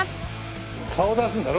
顔出すんだろ？